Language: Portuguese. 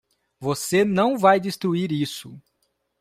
Você não vai destruir isso!